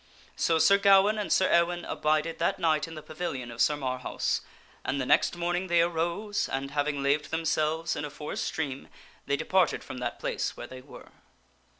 So Sir Gawaine and Sir Ewaine abided that night in the pavilion of Sir Marhaus and the next morning they arose and, having laved themselves in a forest stream, they departed from that place where they were.